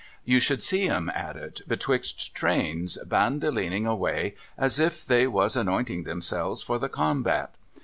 You should see 'em at it, betwixt trains, Bandolining away, as if they was anointing themselves for the combat.